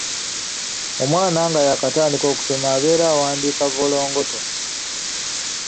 Omwana nga yaakatandika okusoma abeera awandiika vvolongoto.